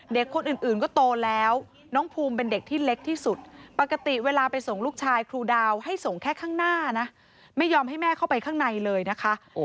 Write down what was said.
เด็กคนอื่นก็โตแล้วน้องภูมิเป็นเด็กที่เล็กที่สุดปกติเวลาไปส่งลูกชายครูดาวให้ส่งแค่ข้างหน้านะไม่ยอมให้แม่เข้าไปข้างในเลยนะคะ